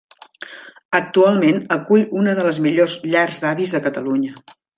Actualment acull una de les millors llars d'avis de Catalunya.